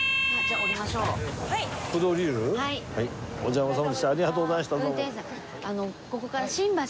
ありがとうございましたどうも。